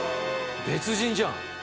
別人じゃん！